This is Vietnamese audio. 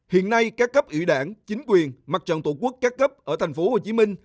hiện nay các cấp ủy đảng chính quyền mặt trận tổ quốc các cấp ở tp hcm